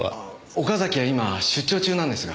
岡崎は今出張中なんですが。